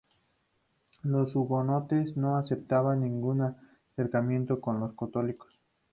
Los hugonotes no aceptaban ningún acercamiento con los católicos.